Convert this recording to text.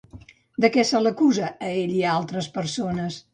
De què se l'acusa a ell i a altres persones?